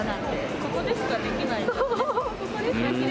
ここでしかできないからね。